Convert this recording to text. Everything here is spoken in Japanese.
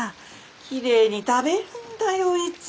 きれいに食べるんだよいつも。